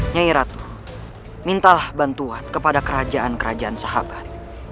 nyai ratu mintalah bantuan kepada kerajaan kerajaan sahabat